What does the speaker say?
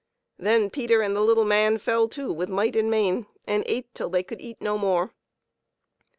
Then Peter and the little man fell to with might and main, and ate till they could eat no more.